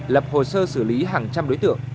lập hồ sơ xử lý hàng trăm đối tượng